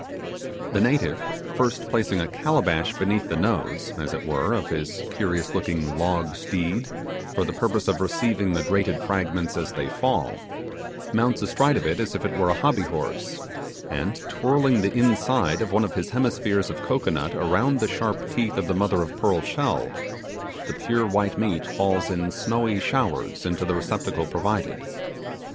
The native, first placing a calabash beneath the nose, as it were, of his curious looking log steed, for the purpose of receiving the grated fragments as they fall, mounts astride of it as if it were a hobby horse, and twirling the inside of his hemispheres of cocoanut around the sharp teeth of the mother of pearl shell, the pure white meat falls in snowy showers into the receptacle provided.